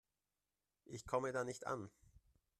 Ich komme da nicht an.